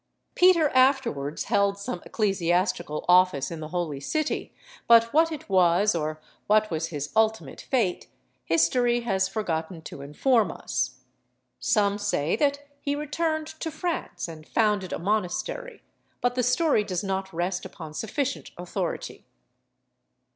Peter afterwards held some ecclesiastical office in the holy city, but what it was, or what was his ultimate fate, history has forgotten to inform us. Some say that he returned to France and founded a monastery, but the story does not rest upon sufficient authority. [Illustration: SIEGE OF JERUSALEM.